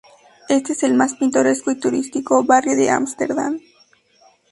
Este es el más pintoresco y turístico barrio de Ámsterdam.